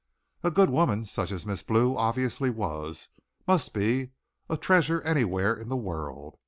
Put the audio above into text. A good woman such as Miss Blue obviously was, must be a treasure anywhere in the world.